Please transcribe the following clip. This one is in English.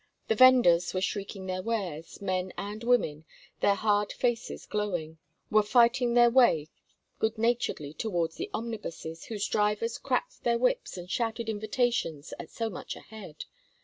The venders were shrieking their wares; men and women, their hard faces glowing, were fighting their way good naturedly towards the omnibuses, whose drivers cracked their whips and shouted invitations at so much a head.